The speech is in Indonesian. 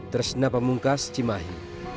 terus nama mungkas cimahi